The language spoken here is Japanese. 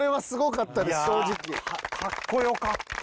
かっこよかった。